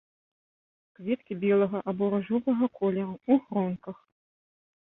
Кветкі белага або ружовага колеру, у гронках.